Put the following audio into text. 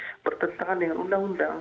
tetapi tidak bertentangan dengan undang undang